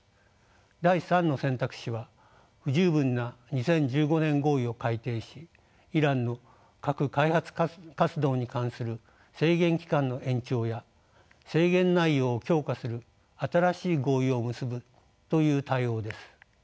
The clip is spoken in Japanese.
第３の選択肢は不十分な２０１５年合意を改定しイランの核開発活動に関する制限期間の延長や制限内容を強化する新しい合意を結ぶという対応です。